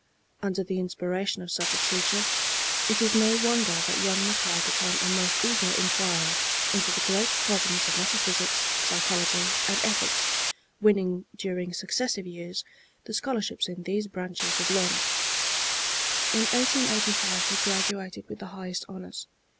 Under the inspiration of such a teacher it is no wonder that young Mackay became a most eager inquirer into the great problems of metaphysics, psychology and ethics, winning during successive years the scholarships in these branches of learning. In 1885 he graduated with the highest honors.